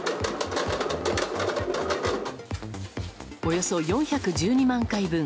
およそ４１２万回分。